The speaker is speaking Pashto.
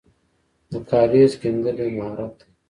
د کاریز کیندل یو مهارت دی.